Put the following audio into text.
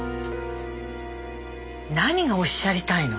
何がおっしゃりたいの？